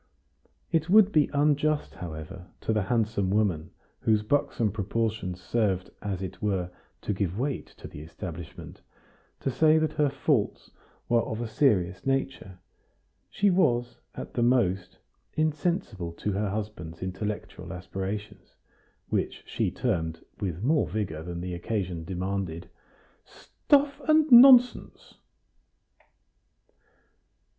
It would be unjust, however, to the handsome woman, whose buxom proportions served, as it were, to give weight to the establishment, to say that her faults were of a serious nature; she was, at the most, insensible to her husband's intellectual aspirations, which she termed, with more vigor than the occasion demanded, "stuff and nonsense."